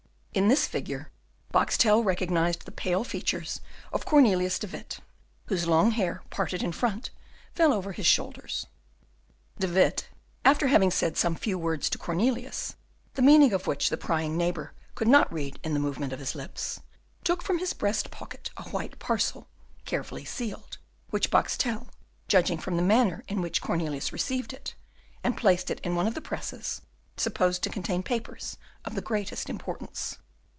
In this figure, Boxtel recognised the pale features of Cornelius de Witt, whose long hair, parted in front, fell over his shoulders. De Witt, after having said some few words to Cornelius, the meaning of which the prying neighbour could not read in the movement of his lips, took from his breast pocket a white parcel, carefully sealed, which Boxtel, judging from the manner in which Cornelius received it, and placed it in one of the presses, supposed to contain papers of the greatest importance.